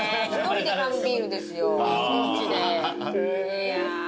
いや。